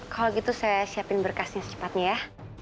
kalau gitu saya siapin berkasnya secepatnya ya